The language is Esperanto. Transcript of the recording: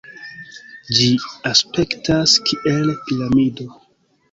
Ĝi aspektas kiel piramido.